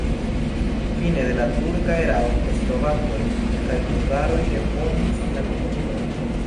Fine de la turka erao slovakoj kaj hungaroj refondis la komunumon.